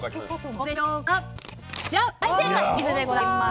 お水でございます。